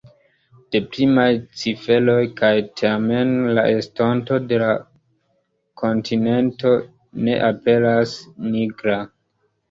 Deprimaj ciferoj, kaj tamen la estonto de l’ kontinento ne aperas nigra.